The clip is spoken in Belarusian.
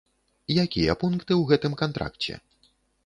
Якія пункты ў гэтым кантракце?